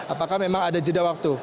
apakah memang ada jeda waktu